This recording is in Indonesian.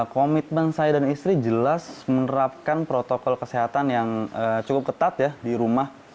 komitmen saya dan istri jelas menerapkan protokol kesehatan yang cukup ketat ya di rumah